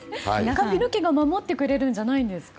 髪の毛が守ってくれるんじゃないんですか？